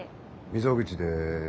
溝口です。